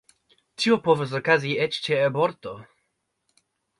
Tio povas okazi eĉ ĉe aborto.